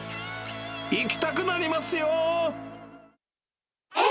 行きたくなりますよー。